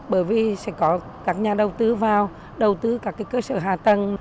bởi vì sẽ có các nhà đầu tư vào đầu tư các cơ sở hạ tầng